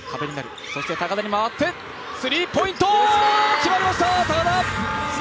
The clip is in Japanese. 決まりました、高田！